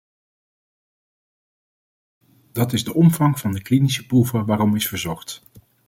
Dat is de omvang van de klinische proeven waarom is verzocht.